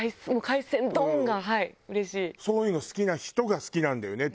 そういうの好きな人が好きなんだよね